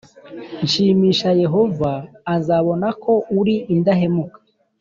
shimisha Yehova azabona ko uri indahemuka